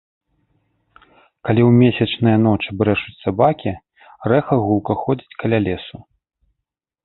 Калі ў месячныя ночы брэшуць сабакі, рэха гулка ходзіць каля лесу.